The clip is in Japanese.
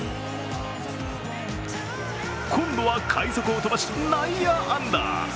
今度は快足を飛ばし、内野安打。